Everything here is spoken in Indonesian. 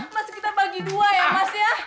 masih kita bagi dua ya mas ya